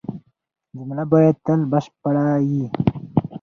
جمله باید تل بشپړه يي.